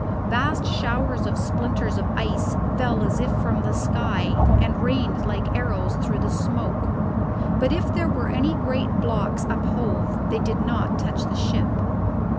Vast showers of splinters of ice fell as if from the sky, and rained like arrows through the smoke, but if there were any great blocks uphove they did not touch the ship.